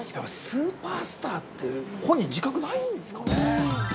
◆スーパースターって、本人、自覚ないんですかね。